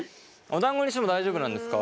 おだんごにしても大丈夫なんですか？